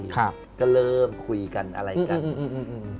ก็เริ่มคุยกันอะไรกัน